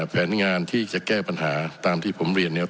แผนงานที่จะแก้ปัญหาตามที่ผมเรียนเนี่ย